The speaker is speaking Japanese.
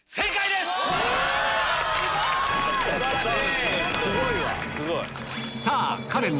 素晴らしい！